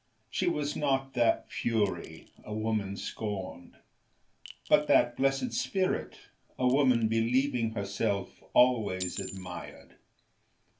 She was not that fury, a woman scorned, but that blessed spirit, a woman believing herself always admired.